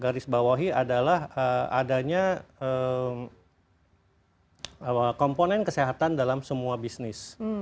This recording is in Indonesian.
garis bawahi adalah adanya komponen kesehatan dalam semua bisnis